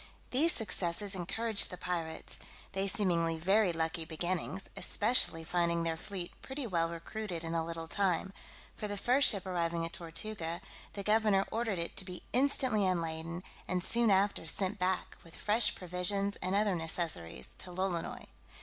These successes encouraged the pirates, they seeming very lucky beginnings, especially finding their fleet pretty well recruited in a little time: for the first ship arriving at Tortuga, the governor ordered it to be instantly unladen, and soon after sent back, with fresh provisions, and other necessaries, to Lolonois.